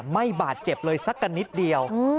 ไม่บาดเจ็บเลยสักกันนิดเดียว